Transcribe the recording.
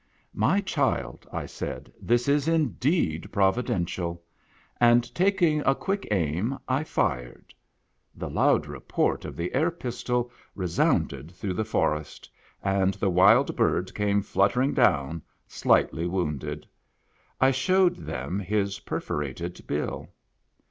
"My child," I said, "this is indeed providential." And, taking a quick aim, I fired. The loud report of the air pistol resounded through the forest, and the wild bird came fluttering down, slightly wounded. I showed them his perforated bill.